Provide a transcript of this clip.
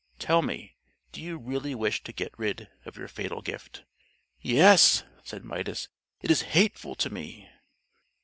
"Tell me, do you really wish to get rid of your fatal gift?" "Yes," said Midas, "it is hateful to me."